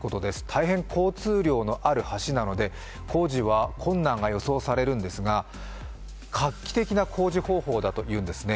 大変、交通量のある橋なので、工事は困難が予想されるんですが画期的な工事方法だというんですね。